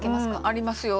ありますよ。